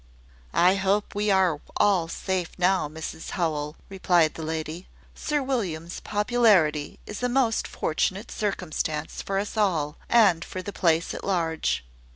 "I hope we are all safe, now, Mrs Howell," replied the lady. "Sir William's popularity is a most fortunate circumstance for us all, and for the place at large."